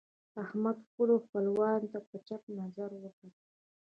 احمد خپلو خپلوانو ته په چپ نظر وکتل.